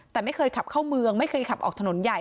แต่ไม่เคยขับเข้าเมืองไม่เคยขับออกถนนใหญ่